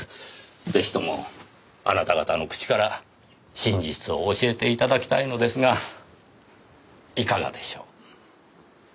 ぜひともあなた方の口から真実を教えて頂きたいのですがいかがでしょう？